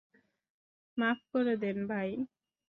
মাফ করে দেন, ভাই।